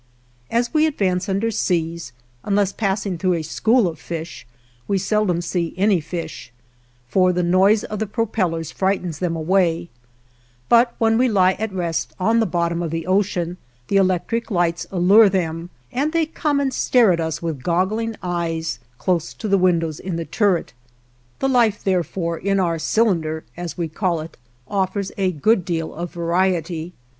As we advance underseas, unless passing through a school of fish, we seldom see any fish, for the noise of the propellers frightens them away; but when we lie at rest on the bottom of the ocean, the electric lights allure them, and they come and stare at us with goggling eyes close to the windows in the turret. The life, therefore, in our "cylinder" as we call it, offers a good deal of variety.